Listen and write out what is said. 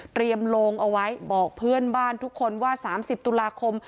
โลงเอาไว้บอกเพื่อนบ้านทุกคนว่า๓๐ตุลาคม